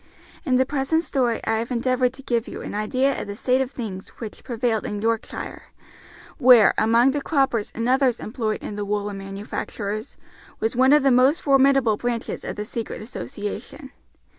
In the present story I have endeavored to give you an idea of the state of things which prevailed in Yorkshire, where, among the croppers and others employed in the woolen manufactures, was one of the most formidable branches of the secret association.